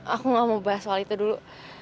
aku gak mau bahas soal itu dulu